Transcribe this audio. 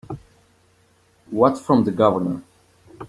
What's from the Governor?